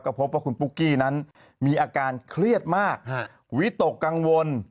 พบว่าคุณปุ๊กกี้นั้นมีอาการเครียดมากวิตกกังวล